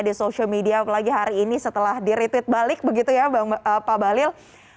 di social media apalagi hari ini setelah di retweet balik begitu ya pak balil